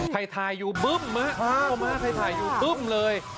ไทยไทยอยู่บึ้มอ๋อมาไทยไทยอยู่บึ้มเลยอ๋อ